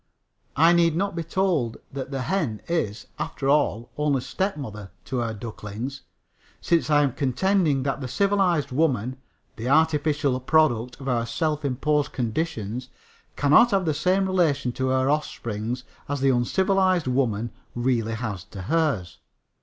I need not be told that the hen is, after all, only stepmother to her ducklings, since I am contending that the civilized woman the artificial product of our self imposed conditions cannot have the same relation to her offspring as the uncivilized woman really has to hers.